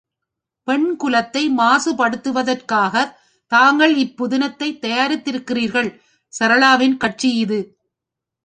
பெண்குலத்தை மாசுபடுத்துவதற்காகத் தாங்கள் இப்புதினத்தைத் தயாரித்திருக்கிறீர்கள்! சரளாவின் கட்சி இது.